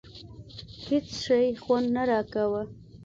هېڅ شي خوند نه راکاوه.